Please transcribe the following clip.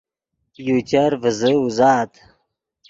یو چر ڤیزے اوزات